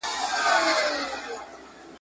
زه پوهېږم چې دا یوازې د هغې خیالي خبرې دي.